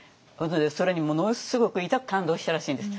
それにものすごくいたく感動したらしいんです。